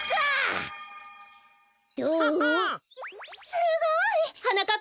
すごい！はなかっ